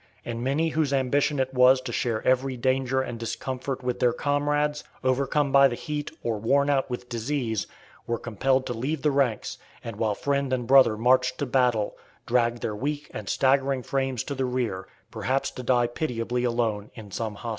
And many whose ambition it was to share every danger and discomfort with their comrades, overcome by the heat, or worn out with disease, were compelled to leave the ranks, and while friend and brother marched to battle, drag their weak and staggering frames to the rear, perhaps to die pitiably alone, in some hospital.